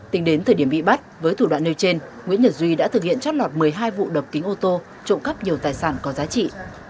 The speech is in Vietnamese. tính đến thời điểm bị bắt với thủ đoạn nêu trên nguyễn nhật duy đã thực hiện trót lọt một mươi hai vụ đập kính ô tô trộm cắp nhiều tài sản có giá trị